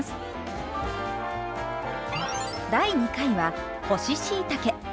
第２回は干ししいたけ。